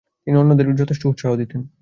তিনি অন্যদের যথেষ্ট উৎসাহ দিতেন।